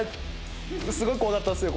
すごく怖かったんですよ